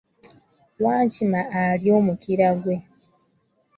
Wankima alya omukira gwe